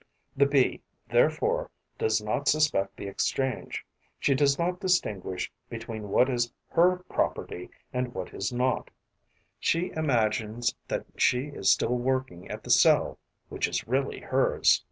The Bee, therefore, does not suspect the exchange; she does not distinguish between what is her property and what is not; she imagines that she is still working at the cell which is really hers.